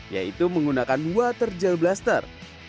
yaitu menggunakan water gel blaster